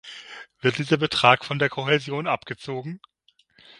Wird dieser Betrag von der Kohäsion abgezogen?